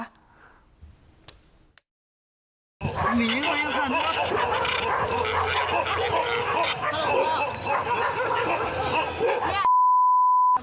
หนีไว้ก่อน